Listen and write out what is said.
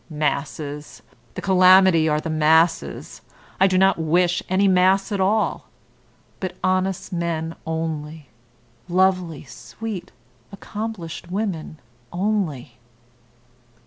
Masses! The calamity are the masses. I do not wish any mass at all, but honest men only, lovely, sweet, accomplished women only."